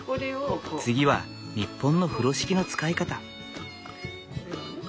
次は日本の風呂敷の使い方。